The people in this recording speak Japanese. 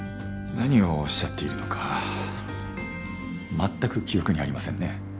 何をおっしゃっているのかまったく記憶にありませんね。